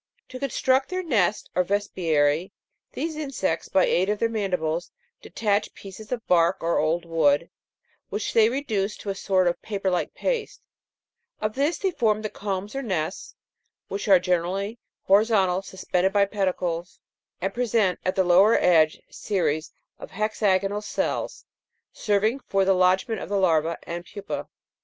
To construct their nest or vespiary, these insects by aid of their mandibles detach pieces of bark or old wood, which they reduce to a sort of paper like paste , of this they form the combs or nests, which are generally hori zontal, suspended by pedicles, and present at the lower edge series of hexagonal cells, serving for the lodgment of the larvae and pupse.